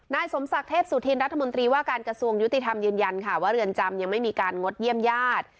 นายสมศักดิ์เทพสุธินรัฐมนตรีว่าการกระทรวงยุติธรรมยืนยันค่ะว่าเรือนจำยังไม่มีการงดเยี่ยมญาติ